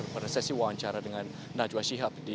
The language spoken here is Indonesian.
pada sesi wawancara dengan najwa syihab